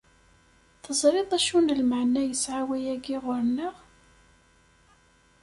Teẓriḍ acu n lmeɛna yesɛa wayagi ɣer-neɣ?